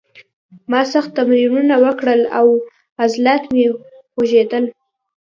ما سخت تمرینونه وکړل او عضلات مې خوږېدل